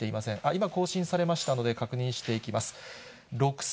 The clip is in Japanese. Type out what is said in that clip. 今更新されましたので、確認していきます。